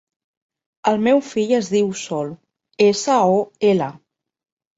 El meu fill es diu Sol: essa, o, ela.